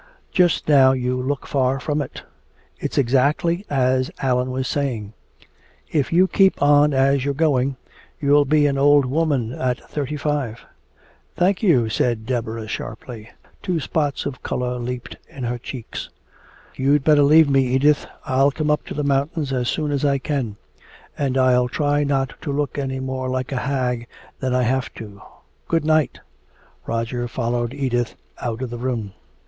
Just now you look far from it! It's exactly as Allan was saying! If you keep on as you're going you'll be an old woman at thirty five!" "Thank you!" said Deborah sharply. Two spots of color leaped in her checks. "You'd better leave me, Edith! I'll come up to the mountains as soon as I can! And I'll try not to look any more like a hag than I have to! Good night!" Roger followed Edith out of the room.